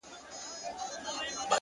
هره موخه د ځان قرباني غواړي’